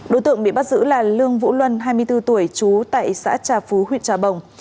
đối tượng bị bắt giữ là lương vũ luân hai mươi bốn tuổi trú tại xã trà phú huyện trà bồng